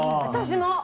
私も！